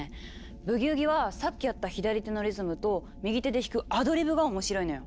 ブギウギはさっきやった左手のリズムと右手で弾く「アドリブ」が面白いのよ。